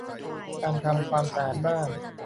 การทำความสะอาดบ้าน